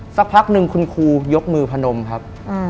สักพักหนึ่งคุณครูยกมือพนมครับ